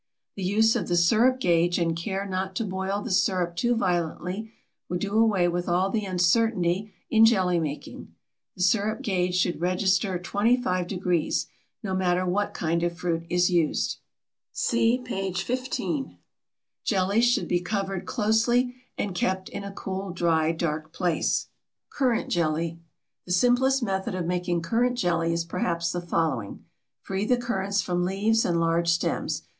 The use of the sirup gauge and care not to boil the sirup too violently would do away with all uncertainty in jelly making. The sirup gauge should register 25°, no matter what kind of fruit is used. (See p. 15.) Jellies should be covered closely and kept in a cool, dry, dark place. CURRANT JELLY. The simplest method of making currant jelly is perhaps the following: Free the currants from leaves and large stems.